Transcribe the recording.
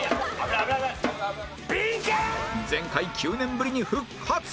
前回９年ぶりに復活！